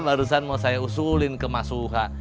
harusan mau saya usulin ke mas uha